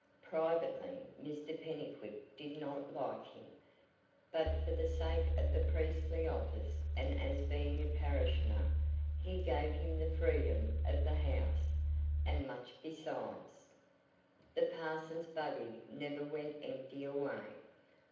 Privately, Mr Pennycuick did not like him; but for the sake of the priestly office, and as being a parishioner, he gave him the freedom of the house, and much besides. The parson's buggy never went empty away.